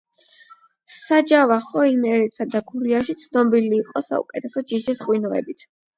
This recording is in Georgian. საჯავახო იმერეთსა და გურიაში ცნობილი იყო საუკეთესო ჯიშის ღვინოებით.